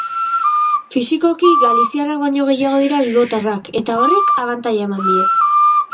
Fisikoki galiziarrak baino gehiago dira bilbotarrak eta horrek abantaila eman die.